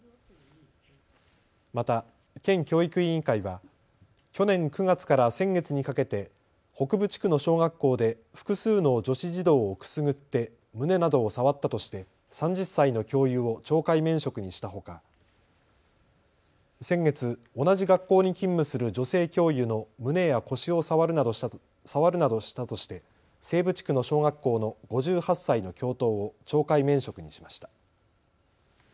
また県教育委員会は去年９月から先月にかけて北部地区の小学校で複数の女子児童をくすぐって胸などを触ったとして３０歳の教諭を懲戒免職にしたほか先月、同じ学校に勤務する女性教諭の胸や腰を触るなどしたとして西部地区の小学校の５８歳の教頭を懲戒免職にしました。